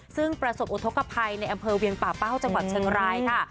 ซึ่งประสบอุทธกภัยในอำเภอเวียงป่าเป้าจังหวัดเชียงรายค่ะ